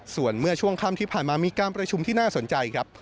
ส่วนเมื่อช่วงค่ำที่ผ่านมามีการประชุมที่น่าสนใจครับ